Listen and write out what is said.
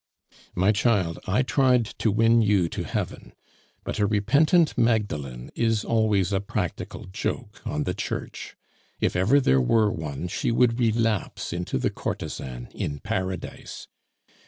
"My child, I tried to win you to heaven; but a repentant Magdalen is always a practical joke on the Church. If ever there were one, she would relapse into the courtesan in Paradise.